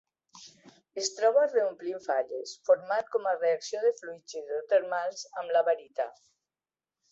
Es troba reomplint falles, format com a reacció de fluids hidrotermals amb la barita.